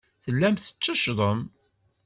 Tellam tetteccḍem.